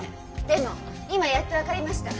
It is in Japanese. でも今やっと分かりました。